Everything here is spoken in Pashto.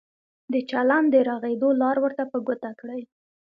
د چلند د رغېدو لار ورته په ګوته کړئ.